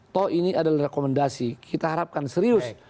toh ini adalah rekomendasi kita harapkan serius